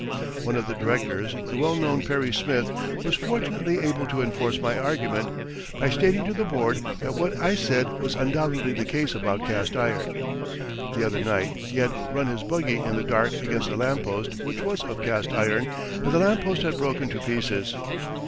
One of the directors, the well known Perry Smith, was fortunately able to enforce my argument, by stating to the board that what I said was undoubtedly the case about cast iron. The other night he had run his buggy in the dark against a lamp post which was of cast iron and the lamp post had broken to pieces.